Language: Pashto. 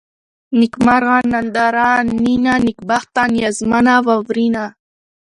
نېکمرغه ، ننداره ، نينه ، نېکبخته ، نيازمنه ، واورېنه